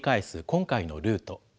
今回のルート。